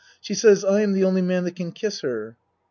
She says I am the only man that can kiss her.